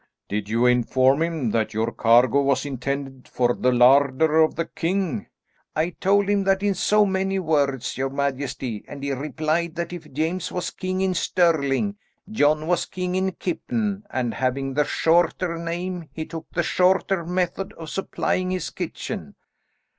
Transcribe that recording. "Did you inform him that your cargo was intended for the larder of the king?" "I told him that in so many words, your majesty; and he replied that if James was king in Stirling, John was king in Kippen, and having the shorter name, he took the shorter method of supplying his kitchen."